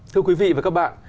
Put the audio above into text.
thưa quý vị và các bạn